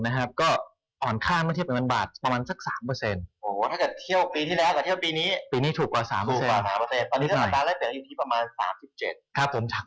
สมัยที่ผมเคยไปเที่ยวนะต้องได้ประมาณ๔๐บาทกว่ากับเกือบ๓๐บาทนะ